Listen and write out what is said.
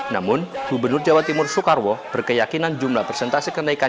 namun gubernur jawa timur soekarwo berkeyakinan jumlah persentase kenaikan